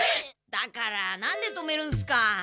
だからなんで止めるんですか。